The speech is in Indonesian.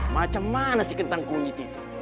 macam mana sih kentang kunyit itu